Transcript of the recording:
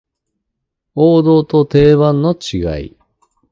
王道と定番の違い